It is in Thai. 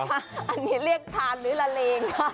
อันนี้เรียกทานหรือละเลง